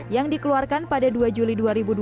yang dikeluarkan pada dua juli dua ribu dua puluh